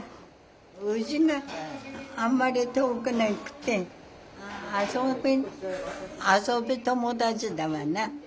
うちがあんまり遠くなくて遊び遊び友達だわな。